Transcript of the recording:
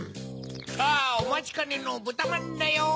さぁおまちかねのぶたまんだよ。